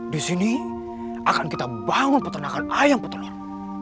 disini akan kita bangun peternakan ayam petelur